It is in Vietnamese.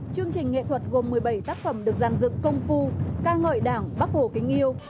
chương trình nghệ thuật gồm một mươi bảy tác phẩm được dàn dựng công phu ca ngợi đảng bắc hồ kính yêu